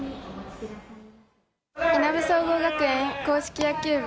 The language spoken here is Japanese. いなべ総合学園硬式野球部